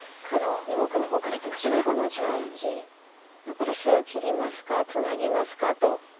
これ白切りますかツナぎますかと。